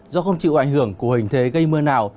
do không chịu ảnh hưởng của hình thế gây mưa nào